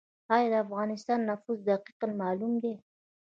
آیا د افغانستان نفوس دقیق معلوم دی؟